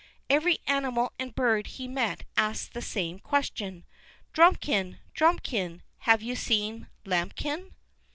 Every animal and bird he met asked him the same question: "Drumikin! Drumikin! Have you seen Lambikin?"